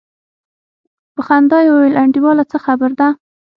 په خندا يې وويل انډيواله څه خبره ده.